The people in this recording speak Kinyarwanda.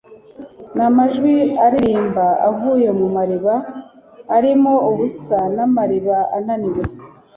Namajwi aririmba avuye mu mariba arimo ubusa namariba ananiwe